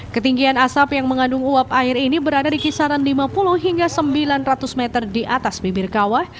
ketinggian asap yang mengandung uap air ini berada di kisaran lima puluh hingga sembilan ratus meter di atas bibir kawah